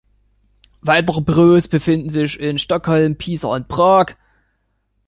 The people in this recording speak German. Weitere Büros befinden sich in Stockholm, Pisa und Prag.